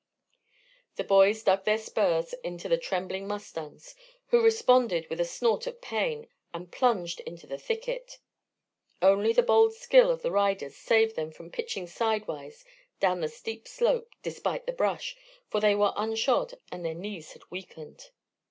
The boys dug their spurs into the trembling mustangs, who responded with a snort of pain and plunged into the thicket. Only the bold skill of the riders saved them from pitching sidewise down the steep slope, despite the brush, for they were unshod and their knees had weakened.